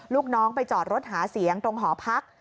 ลูกน้องไปจอดรถหาเสียงตรงหอพัก